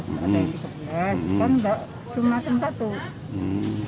kan cuma tempat tuh